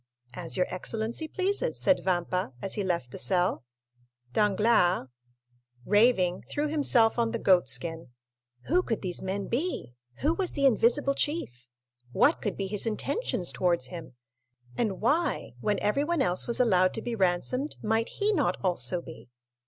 "As your excellency pleases," said Vampa, as he left the cell. Danglars, raving, threw himself on the goat skin. Who could these men be? Who was the invisible chief? What could be his intentions towards him? And why, when everyone else was allowed to be ransomed, might he not also be?